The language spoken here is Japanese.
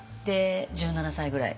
１７歳ぐらい。